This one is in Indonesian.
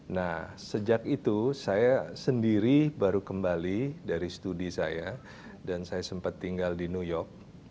nah sejak itu saya sendiri baru kembali dari studi saya dan saya sempat tinggal di new york